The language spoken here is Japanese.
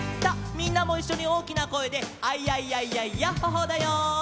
みんなもいっしょにおおきなこえで「アイヤイヤイヤイヤッホ・ホー」だよ。